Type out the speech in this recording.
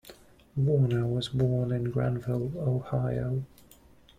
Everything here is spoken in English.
Warner was born in Granville, Ohio.